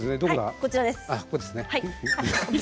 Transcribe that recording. こちらです。